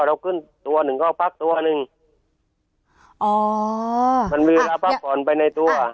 เราขึ้นตัวหนึ่งก็พักตัวหนึ่งอ๋อมันมีเวลาพักผ่อนไปในตัว